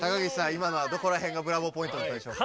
今のはどこらへんがブラボーポイントだったでしょうか？